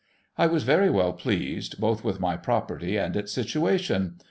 I was very well pleased, both with my property and its situation.